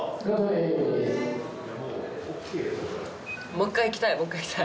「もう一回いきたい」？